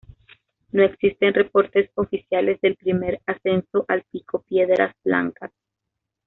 No existen reportes oficiales del primer ascenso al Pico Piedras Blancas.